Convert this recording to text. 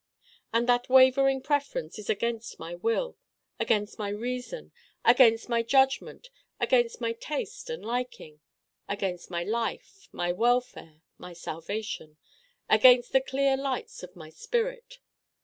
And that Wavering preference is against my will, against my reason, against my judgment, against my taste and liking against my life, my welfare, my salvation: against the clear lights of my spirit.